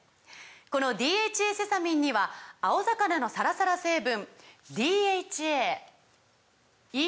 この「ＤＨＡセサミン」には青魚のサラサラ成分ＤＨＡＥＰＡ